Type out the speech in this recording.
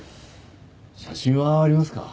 写真はありますか？